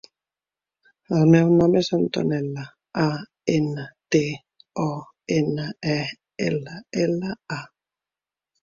El meu nom és Antonella: a, ena, te, o, ena, e, ela, ela, a.